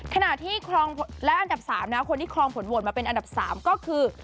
ขณะที่ครองและอันดับ๓คนที่ครองผลโหวตมาเป็นอันดับ๓ก็คือ